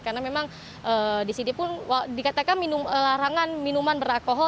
karena memang di sini pun dikatakan larangan minuman beralkohol